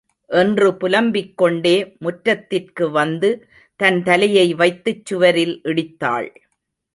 என்று புலம்பிக் கொண்டே முற்றத்திற்கு வந்து தன் தலையை வைத்துச் சுவரில் இடித்தாள்.